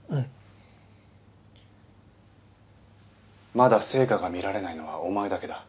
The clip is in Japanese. まだ成果が見られないのはお前だけだ。